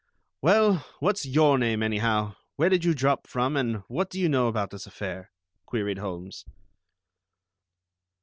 "Well, what's your name, anyhow? Where did you drop from, and what do you know about this affair?" queried Holmes.